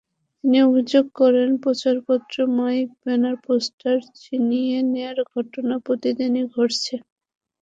তিনি অভিযোগ করেন, প্রচারপত্র, মাইক, ব্যানার, পোস্টার ছিনিয়ে নেওয়ার ঘটনা প্রতিদিনই ঘটছে।